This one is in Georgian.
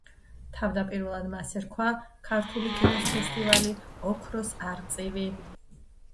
თავდაპირველად მას ერქვა ქართული კინოს ფესტივალი ოქროს არწივი.